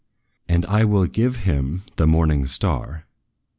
"And I will give him the morning star."